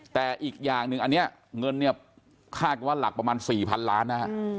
แต่อีกอย่างหนึ่งอันเนี้ยเงินเนี้ยคาดกันว่าหลักประมาณสี่พันล้านนะฮะอืม